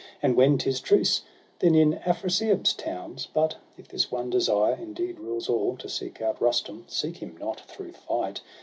And when 'tis truce, then in Afrasiab's towns. But, if this one desire indeed rules all. To seek out Rustum — seek him not through fight!